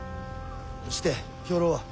して兵糧は？